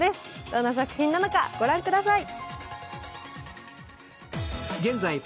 どんな作品なのか、ご覧ください。